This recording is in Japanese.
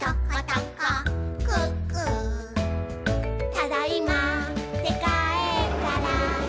「ただいまーってかえったら」